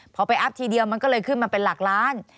พอไปอัพทีเดียวมันก็เลยขึ้นมาเป็นหลักล้าน